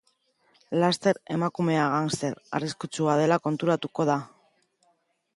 Laster, emakumea gangster arriskutsua dela konturatuko da.